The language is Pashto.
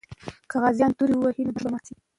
که غازیان تورو وهي، نو دښمن به مات سي.